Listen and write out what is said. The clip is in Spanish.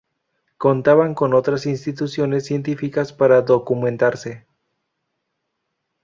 Contaban con otras instituciones científicas para documentarse.